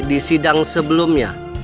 di sidang sebelumnya